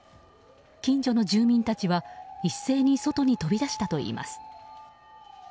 近所の住民たちは一斉に外に飛び出したといいます。